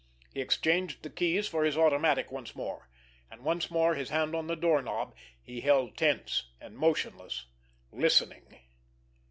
He exchanged the keys for his automatic once more; and once more his hand on the doorknob, he held tense and motionless, listening.